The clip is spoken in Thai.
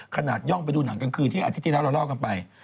ย่องไปดูหนังกลางคืนที่อาทิตย์ที่แล้วเราเล่ากันไป